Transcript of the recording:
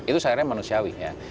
itu secara manusiawi ya